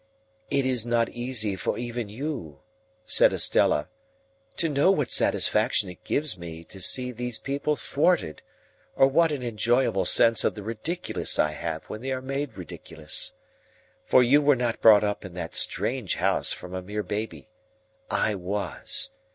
"It is not easy for even you." said Estella, "to know what satisfaction it gives me to see those people thwarted, or what an enjoyable sense of the ridiculous I have when they are made ridiculous. For you were not brought up in that strange house from a mere baby. I was.